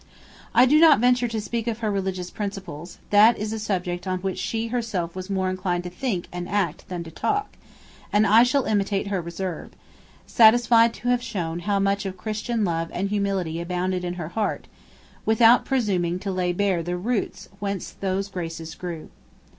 I do not venture to speak of her religious principles: that is a subject on which she herself was more inclined to think and act than to talk, and I shall imitate her reserve; satisfied to have shown how much of Christian love and humility abounded in her heart, without presuming to lay bare the roots whence those graces grew.